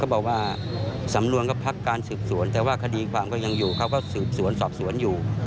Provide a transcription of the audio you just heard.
บอกว่าสำนวนก็พักการสืบสวนแต่ว่าคดีความก็ยังอยู่เขาก็สืบสวนสอบสวนอยู่